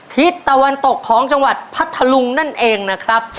ทิศตะวันตกของจังหวัดพัทธลุงนั่นเองนะครับ